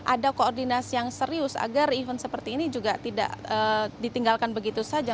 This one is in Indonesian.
dan juga ada koordinasi yang serius agar event seperti ini juga tidak ditinggalkan begitu saja